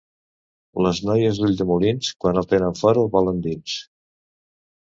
Les noies d'Ulldemolins, quan el tenen fora, el volen dins.